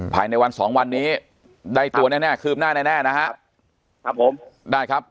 ภายในวันสองวันนี้ได้ตัวแน่แน่คืบหน้าแน่แน่นะฮะครับผมได้ครับ